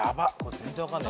全然分かんない。